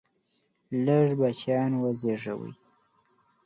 لږ بچیان وزیږوئ!